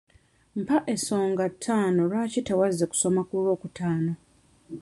Mpa ensonga ttaano lwaki tewazze kusoma ku lwokutaano?